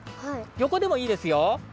よこでもいいですよ。